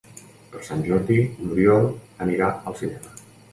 Per Sant Jordi n'Oriol anirà al cinema.